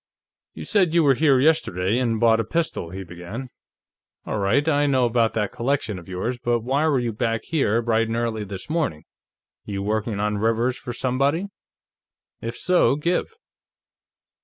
"You said you were here yesterday, and bought a pistol," he began. "All right; I know about that collection of yours. But why were you back here bright and early this morning? You working on Rivers for somebody? If so, give."